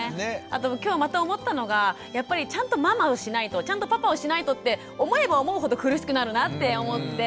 あときょうまた思ったのがやっぱりちゃんとママをしないとちゃんとパパをしないとって思えば思うほど苦しくなるなって思って。